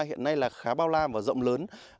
hiện nay là khá bao la và rộng lớn